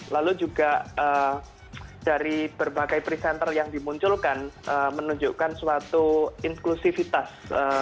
lalu juga dari berbagai presenter yang dimunculkan menunjukkan suatu inklusivitas